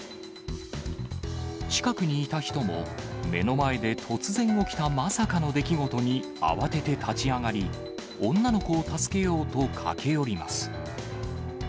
近くにいた人も、目の前で突然起きたまさかの出来事に慌てて立ち上がり、女の子を助けようと駆け寄ります。